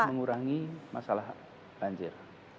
ini mengurangi masalah banjir